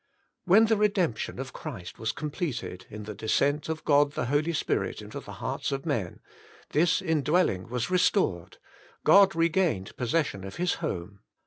When the redemption of Christ was completed in the de scent of God the Holy Spirit into the hearts of men, this indwelling was restored, God regained possession of His home.